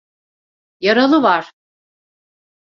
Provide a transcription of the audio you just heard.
Yaralı var!